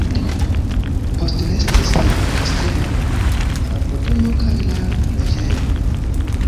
Postrestis nur la kastelo, la urbodomo kaj la preĝejo.